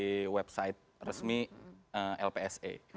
dapat dari website resmi lpse